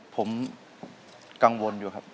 ผมกังวลอยู่ครับ